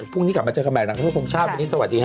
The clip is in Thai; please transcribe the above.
พรุ่งนี้กลับมาเจอกันใหม่นางทุกคนชอบวันนี้สวัสดีค่ะ